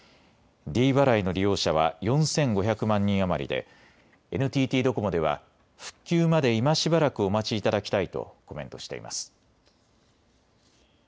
ｄ払いの利用者は４５００万人余りでＮＴＴドコモでは復旧まで今しばらくお待ちいただきたいとコメントしています。